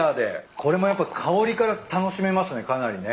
これもやっぱ香りから楽しめますねかなりね。